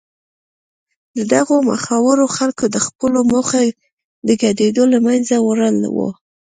د دغو مخورو خلکو د خپلولو موخه د ګډوډیو له منځه وړل و.